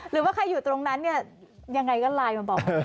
หรือว่าใครอยู่ตรงนั้นเนี่ยยังไงก็ไลน์มาบอก